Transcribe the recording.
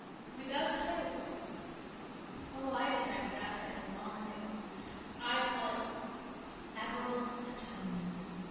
Have you got a title for it?" "Oh, I decided on the title long ago. I call it Averil's atonement.